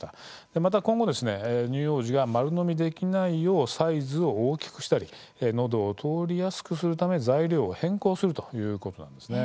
また今後、乳幼児が丸飲みできないようサイズを大きくしたりのどを通りやすくするため材料を変更するということなんです。